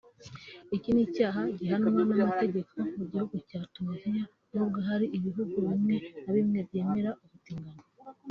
Iki ni icyaha gihanwa n’amategeko mu gihugu cya Tuniziya nubwo hari ibihugu bimwe na bimwe byemera ubutinganyi